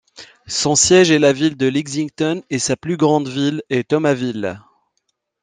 Son siège est la ville de Lexington et sa plus grande ville est Thomasville.